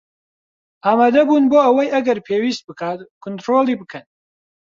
ئامادەبوون بۆ ئەوەی ئەگەر پێویست بکات کۆنترۆڵی بکەن